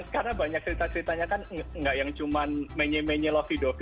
karena banyak cerita ceritanya kan nggak yang cuman menyel menyelofi dovi